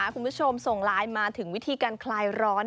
คุณผู้ชมส่งไลน์มาถึงวิธีการคลายร้อน